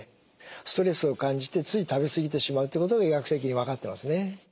ストレスを感じてつい食べ過ぎてしまうということが医学的に分かってますね。